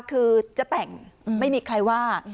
คือจะแต่งไม่มีใครว่า